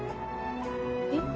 えっ？